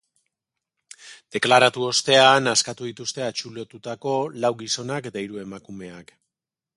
Deklaratu ostean askatu dituzte atxilotutako lau gizonak eta hiru emakumeak.